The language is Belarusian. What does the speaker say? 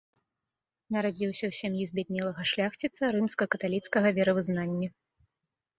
Нарадзіўся ў сям'і збяднелага шляхціца рымска-каталіцкага веравызнання.